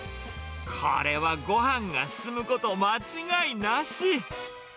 これはごはんが進むこと間違いなし。